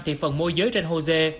thị phần mua giới trên hồ dê